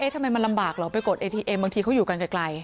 ทำไมมันลำบากเหรอไปกดเอทีเอ็มบางทีเขาอยู่กันไกล